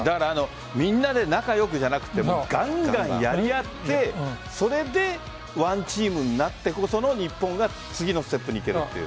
みんなで仲良くじゃなくてガンガンやり合ってそれでワンチームになってこそ日本が次のステップに行けるという。